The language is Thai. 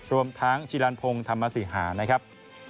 รวมทั้งชิลันพงศ์ธรรมสิหานะครับ